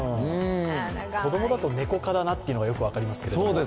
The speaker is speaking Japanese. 子供だとネコ科だなというのがよく分かりますけれども、。